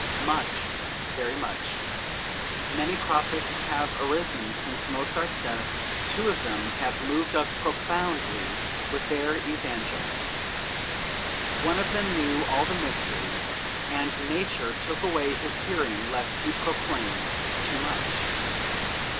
Much; very much. Many prophets have arisen since Mozart's death; two of them have moved us profoundly with their evangel. One of them knew all the mysteries, and Nature took away his hearing lest he proclaim too much.